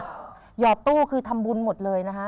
หยอดโต้คือทำบุญหมดเลยนะฮะ